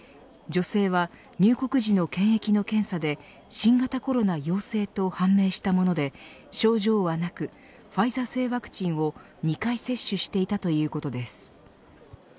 女性は入国時の検疫の検査で新型コロナ陽性と判明したもので症状はなくファイザー製ワクチンを２回接種していたということです。